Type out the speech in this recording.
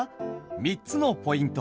３つのポイント。